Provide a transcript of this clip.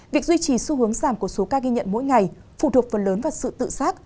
việc duy trì xu hướng giảm của số ca ghi nhận mỗi ngày phụ thuộc phần lớn vào sự tự xác